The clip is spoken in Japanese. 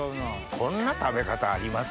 こんな食べ方あります？